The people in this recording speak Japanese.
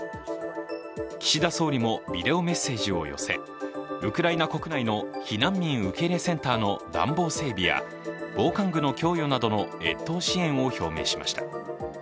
岸田総理もビデオメッセージを寄せウクライナ国内の避難民受け入れセンターの暖房整備や、防寒具の供与などの越冬支援を表明しました。